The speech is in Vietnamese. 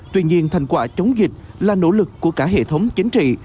tuy nhiên thành quả chống dịch là nỗ lực của cả hệ thống chính trị